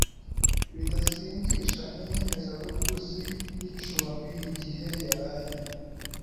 bidasindisha n inyemezabuguzi y icumbi igihe araye